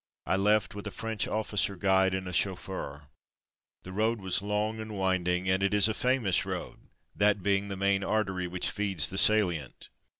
I left with a French officer guide and a chauffeur. The road was long and wind ing, and it is a famous road, that, being the main artery which feeds the salient.